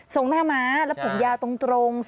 หน้าม้าและผมยาวตรง